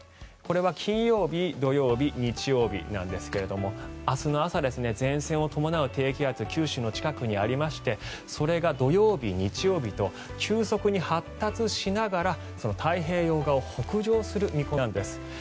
これは金曜日、土曜日日曜日なんですが明日の朝、前線を伴う低気圧九州の近くにありましてそれが土曜日、日曜日と急速に発達しながら太平洋側を北上する見込みなんです。